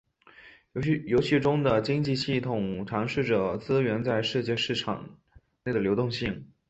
游戏中的经济系统尝试着资源在世界市场内的流动性。